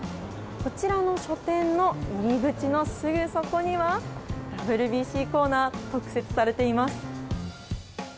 こちらの書店の入り口のすぐそこにはＷＢＣコーナーが特設されています。